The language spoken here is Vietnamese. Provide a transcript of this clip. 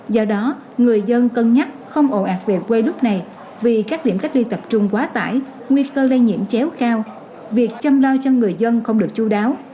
do đó người dân cân nhắc không ồ ạt về quê lúc này vì các điểm cách ly tập trung quá tải nguy cơ lây nhiễm chéo cao việc chăm lo cho người dân không được chú đáo